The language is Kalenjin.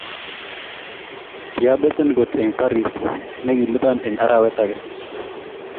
Kiabesen kot eng Paris nekilipani eng arawet agenge